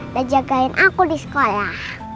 udah jagain aku di sekolah